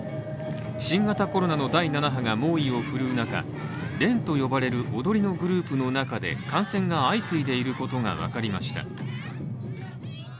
新型コロナの第７波が猛威を振るう中「連」と呼ばれる踊りのグループの中で感染が相次いでいることが分かりました。